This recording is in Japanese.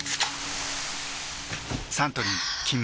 サントリー「金麦」